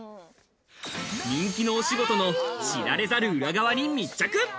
人気の仕事の知られざる裏側に密着。